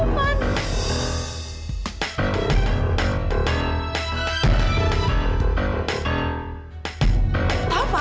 ini tentang kata umat